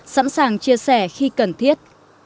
sẵn sàng chia sẻ khi cần thiết